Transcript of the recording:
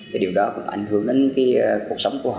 cái điều đó cũng ảnh hưởng đến cái cuộc sống của họ